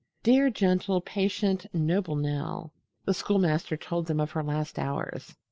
Dear, gentle, patient, noble Nell! The schoolmaster told them of her last hours.